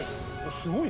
すごいね。